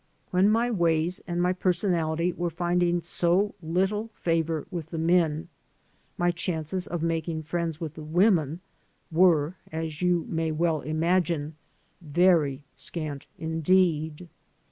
When my ways and my personality were finding so little favor with the men, my chances of making friends with the women were, as you may well imagine, very scant mdeed.